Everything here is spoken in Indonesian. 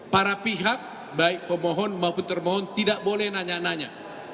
para pihak baik pemohon maupun termohon tidak boleh nanya nanya